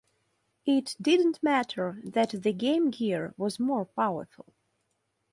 It didn't matter that the Game Gear was more powerful.